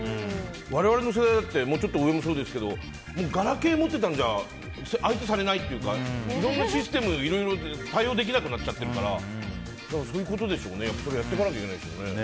我々の世代だってもうちょっと上もそうですけどガラケー持ってたんじゃ相手されないっていうかいろんなシステムにいろいろ対応できなくなっちゃってるからやっていかなきゃいけないでしょうね。